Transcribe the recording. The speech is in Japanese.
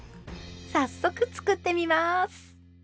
早速作ってみます。